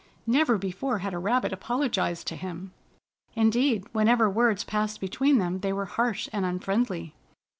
Never before had a rabbit apologized to him. Indeed, whenever words passed between them, they were harsh and unfriendly.